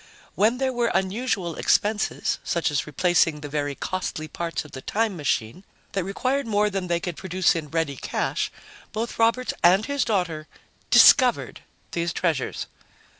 When there were unusual expenses, such as replacing the very costly parts of the time machine, that required more than they could produce in ready cash, both Roberts and his daughter 'discovered' these treasures."